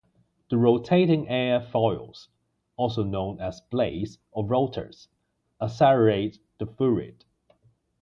The rotating airfoils, also known as blades or rotors, accelerate the fluid.